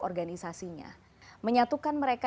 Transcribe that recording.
organisasinya menyatukan mereka